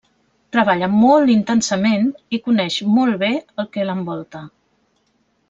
Treballa molt intensament i coneix molt bé el que l'envolta.